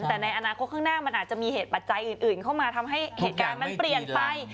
แต่ในอนาคตข้างหน้ามันอาจจะมีเหตุปัจจัยอื่นเข้ามาทำให้เหตุการณ์มันเปลี่ยนไป